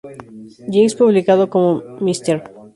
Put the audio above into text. Jinx publicado como "Mr.